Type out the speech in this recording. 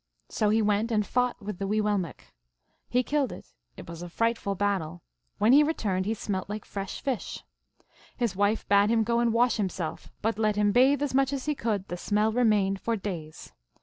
So he went and fought with the Wee willmekq . He killed it. It was a frightful battle. When he returned he snielt like fresh fish. His wife bade him go and wash himself; but let him bathe as much as he could, the smell remained for days.